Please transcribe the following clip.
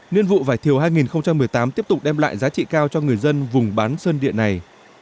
nguyên vụ vải thiều hai nghìn một mươi tám tiếp tục đem lại giá trị cao cho người dân vùng bán sơn điện này